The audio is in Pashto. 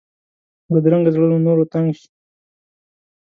بدرنګه زړه له نورو تنګ شي